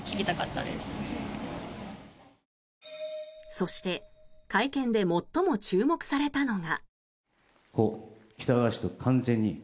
そして会見で最も注目されたのが。